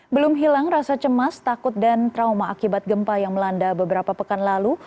belum hilang rasa cemas takut dan trauma akibat gempa yang melanda beberapa pekan lalu